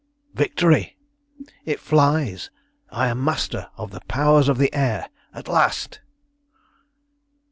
"Victory! It flies! I am master of the Powers of the Air at last!"